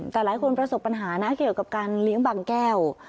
แต่หลายคนประสบปัญหานะเกี่ยวกับการเลี้ยงบางแก้ว